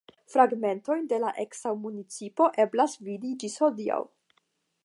Fragmentojn de la eksa municipo eblas vidi ĝis hodiaŭ.